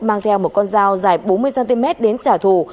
mang theo một con dao dài bốn mươi cm đến trả thù